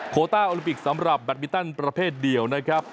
ต้าโอลิมปิกสำหรับแบตมินตันประเภทเดียวนะครับ